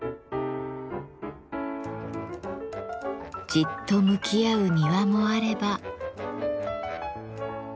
じっと向き合う庭もあれば。